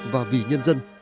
và vì nhân dân